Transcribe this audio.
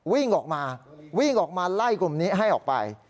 วิ่งออกมาไล่กลุ่มนี้ให้ออกไป